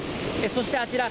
そして、あちら。